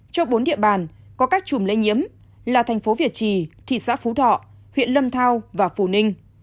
cho bốn địa bàn có các chùm lây nhiễm là thành phố việt trì thị xã phú thọ huyện lâm thao và phù ninh